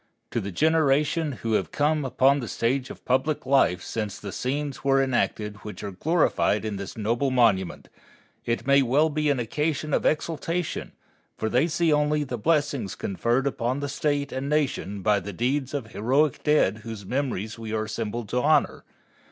To the generation who have come upon the stage of public life since the scenes were enacted which are glorified in this noble monument, it may well be an occasion of exultation, for they see only the blessings conferred upon the State and Nation by the deeds of the heroic dead whose memory we are assembled to honor.